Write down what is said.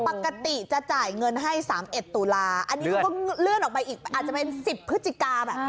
ปกติจะจ่ายเงินให้๓๑ตุลาอันนี้เขาก็เลื่อนออกไปอีกอาจจะเป็น๑๐พฤศจิกาแบบนี้